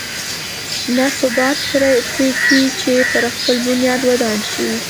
نه ثبات پرېږدي چې پر خپل بنیاد ودان شي.